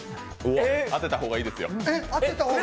当てた方がいいですよ。